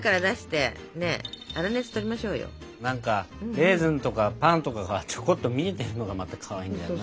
なんかレーズンとかパンとかがちょこっと見えてるのがまたかわいいんだよな。